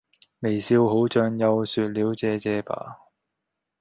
微笑...好像又說了謝謝吧